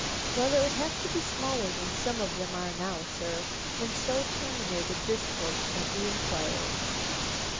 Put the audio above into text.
"Well, it would have to be smaller than some of them are now, sir." And so terminated this portion of the inquiry.